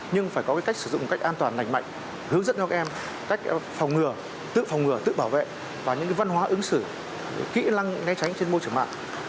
nhưng phải có cách sử dụng một cách an toàn nành mạnh hướng dẫn cho các em cách phòng ngừa tự phòng ngừa tự bảo vệ và những văn hóa ứng xử kỹ năng né tránh trên môi trường mạng